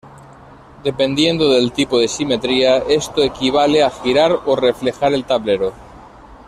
Dependiendo del tipo de simetría, esto equivale a girar o reflejar el tablero.